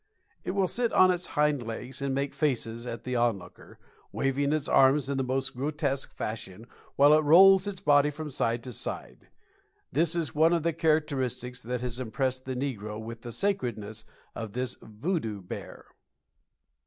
It will sit on its hind legs and make faces at the onlooker, waving its arms in the most grotesque fashion, while it rolls its body from side to side. This is one of the characteristics that has impressed the negro with the sacredness of this "Voodoo Bear."